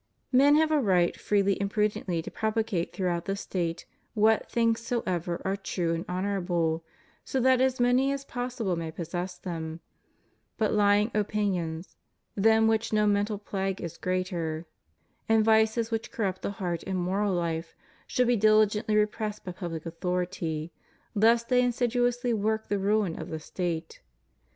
Men have a right freely and prudently to propagate through out the State what things soever are true and honorable, so that as many as possible may possess them; but lying opinions, than which no mental plague is greater, and vices which corrupt the heart and moral life, should be diligently repressed by pubhc authority, lest they insidi ously work the ruin of the State.